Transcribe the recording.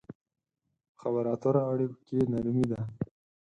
په خبرو اترو او اړيکو کې نرمي ده.